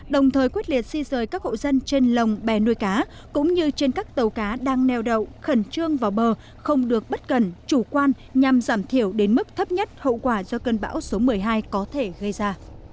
đồng thời quyết liệt di rời các hộ dân trên lồng bè nuôi cá cũng như trên các tàu cá đang neo đậu khẩn trương vào bờ không được bất cần chủ quan nhằm giảm thiểu đến mức thấp nhất hậu quả do cơn bão số một mươi hai có thể gây ra